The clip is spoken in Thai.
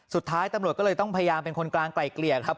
สุดท้ายตำรวจก็เลยต้องพยายามเป็นคนกลางไกล่เกลี่ยครับ